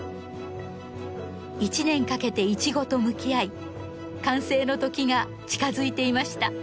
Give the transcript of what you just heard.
１年かけてイチゴと向き合い完成の時が近づいていました。